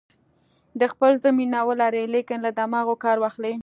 د خپل زړه مینه ولرئ لیکن له دماغو کار واخلئ.